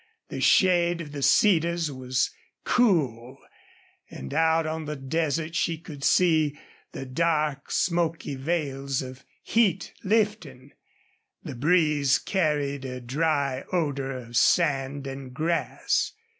The shade of the cedars was cool. And out on the desert she could see the dark smoky veils of heat lifting. The breeze carried a dry odor of sand and grass.